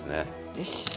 よし。